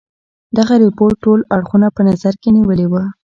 دغه رپوټ ټول اړخونه په نظر کې نیولي وه.